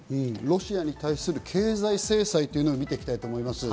ロシアに対する経済制裁を見ていきたいと思います。